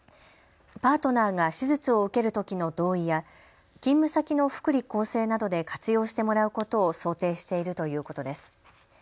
パートナーが手術を受けるときの同意や勤務先の福利厚生などで活用してもらうことを想定しているということです。